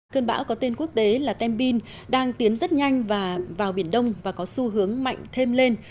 cơn bão có tên quốc tế là tembin đang tiến rất nhanh và vào biển đông và có xu hướng mạnh thêm lên